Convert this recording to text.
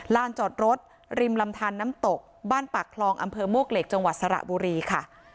ลานจอดรถริมลำทานน้ำตกบ้านปากคลองอำเภอมวกเหล็กจังหวัดสระบุรีค่ะ